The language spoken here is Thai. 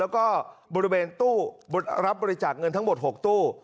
แล้วก็บริเวณตู้รับบริจาคเงินทั้งหมด๖ตู้